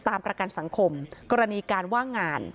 ประกันสังคมกรณีการว่างงาน